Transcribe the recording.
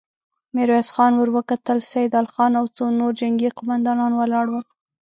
ميرويس خان ور وکتل، سيدال خان او څو نور جنګي قوماندان ولاړ ول.